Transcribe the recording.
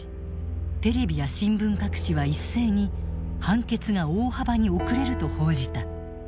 テレビや新聞各紙は一斉に判決が大幅に遅れると報じた。